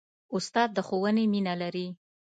استاد د ښوونې مینه لري.